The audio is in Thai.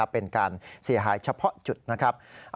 เป็นการเสียหายเฉพาะจุดนะครับ